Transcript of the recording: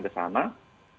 kita harus mengerjakan ke sana